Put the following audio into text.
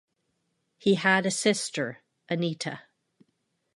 He had a sister, Anita.